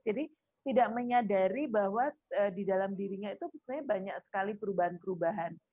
tidak menyadari bahwa di dalam dirinya itu sebenarnya banyak sekali perubahan perubahan